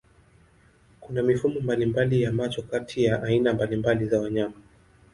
Kuna mifumo mbalimbali ya macho kati ya aina mbalimbali za wanyama.